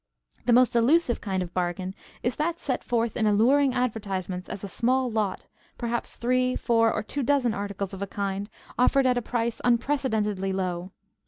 The most elusive kind of bargain is that set forth in alluring advertisements as a small lot, perhaps three, four, or two dozen articles of a kind, offered at a price unprecedentedly low.